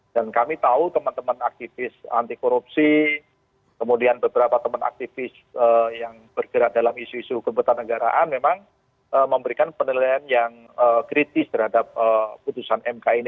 dan kami tahu teman teman aktivis anti korupsi kemudian beberapa teman aktivis yang bergerak dalam isu isu kebetanegaraan memang memberikan penilaian yang kritis terhadap putusan mk ini